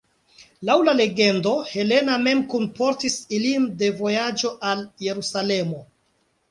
Laŭ la legendo Helena mem kunportis ilin de vojaĝo al Jerusalemo.